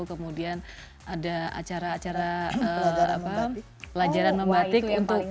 kemudian ada acara acara pelajaran membatik